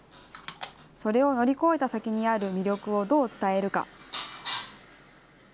それを乗り越えた先にある魅力をどう伝えるか。